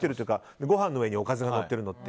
ご飯の上におかずがのってるの。